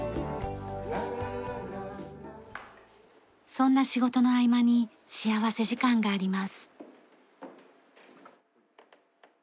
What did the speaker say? そんな仕事の合間に幸福時間があります。